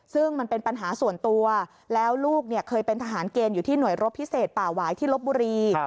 ซึ่งมันเป็นปัญหาส่วนตัวแล้วลูกเคยเป็นทหารเกณฑ์อยู่ที่หน่วยรบพิเศษป่าหวายที่ลบบุรี